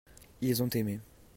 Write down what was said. ils ont aimé.